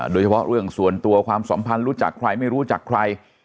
โดยเฉพาะเรื่องส่วนตัวความสัมพันธ์รู้จักใครไม่รู้จักใคร